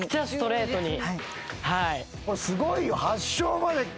すごいよ。